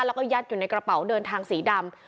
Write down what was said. แล้วก็ยัดอยู่ในกระเป๋าเดินทางสีดำ